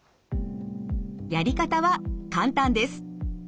やり方は簡単です。